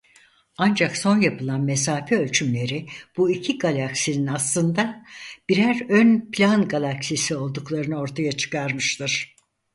Ancak son yapılan mesafe ölçümleri bu iki galaksinin aslında birer ön plan galaksisi olduklarını ortaya çıkarmıştır.